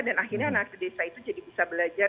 dan akhirnya anak anak desa itu jadi bisa belajar